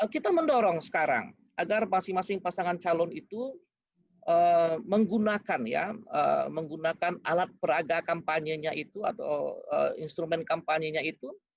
kita mendorong sekarang agar masing masing pasangan calon itu menggunakan alat peraga kampanyenya itu atau instrumen kampanyenya itu